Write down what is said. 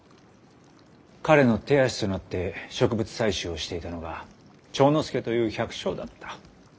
彼の手足となって植物採集をしていたのが長之助という百姓だった。